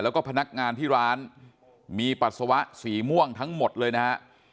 แล้วก็พนักงานที่ร้านมีปัสสาวะสีม่วงทั้งหมดเลยนะฮะ